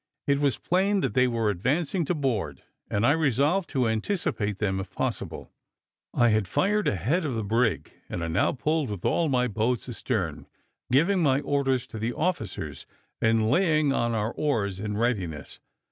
It was plain that they were advancing to board, and I resolved to anticipate them if possible. I had fired ahead of the brig, and I now pulled with all my boats astern, giving my orders to the officers, and laying on our oars in readiness.